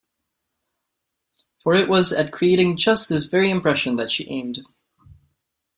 For it was at creating just this very impression that she aimed.